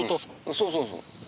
そうそうそう。